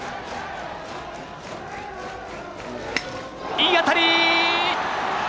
いい当たり！